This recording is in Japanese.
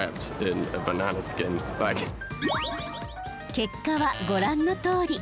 結果はご覧のとおり。